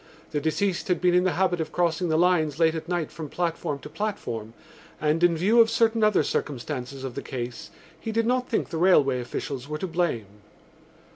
The deceased had been in the habit of crossing the lines late at night from platform to platform and, in view of certain other circumstances of the case, he did not think the railway officials were to blame.